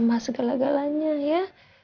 maha segala galanya ya